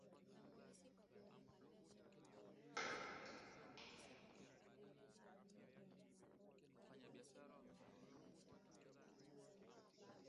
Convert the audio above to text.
Mbu mwenye mistari yenye rangi nyeupe na nyeusi hubeba Homa ya bonde la ufa